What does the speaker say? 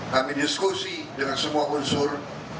kami diskusi dengan semua unsur